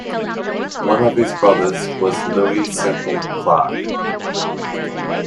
One of his brothers was Louis Semple Clarke.